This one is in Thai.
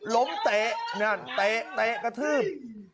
ล้มเตะเตะกระทืบ